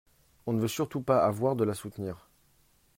on ne veut surtout pas avoir de la soutenir.